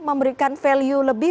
memberikan value lebih